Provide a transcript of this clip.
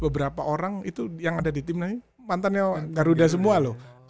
beberapa orang itu yang ada di timnas ini mantannya garuda semua loh